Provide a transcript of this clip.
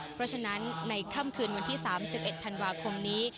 เพราะฉะนั้นในค่ำคืนวันที่๓๑ธันวาคมนี้